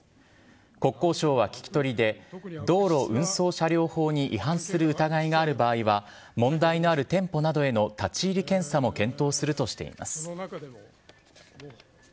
国交省は聞き取りで、道路運送車両法に違反する疑いがある場合は、問題のある店舗などへの立ち入り検査も検討するとしています。